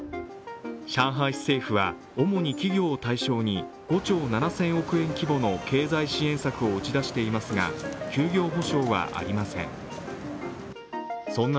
上海市政府は、主に企業を対象に５兆７０００億円規模の経済支援策を打ち出していますが、休業補償はありません。